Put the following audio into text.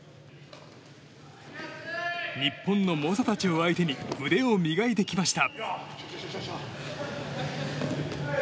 日本の猛者たちを相手に腕を磨いてきました。